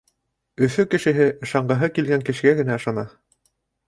Өфө кешеһе ышанғыһы килгән кешегә генә ышана.